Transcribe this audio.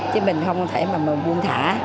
chứ mình không thể mà buông thả